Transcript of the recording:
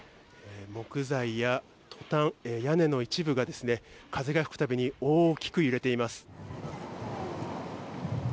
木材やトタン、屋根の一部が風が吹くたびに大きく揺れています。